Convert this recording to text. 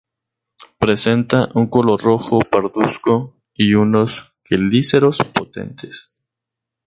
Presenta un color rojo parduzco y unos quelíceros potentes.